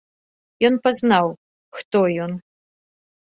Ён пазнаў, хто ён.